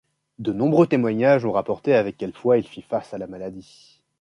De nombreux témoignages ont rapporté avec quelle foi il fit face à la maladie.